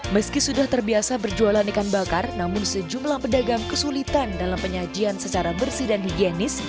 meski sudah terbiasa berjualan ikan bakar namun sejumlah pedagang kesulitan dalam penyajian secara bersih dan higienis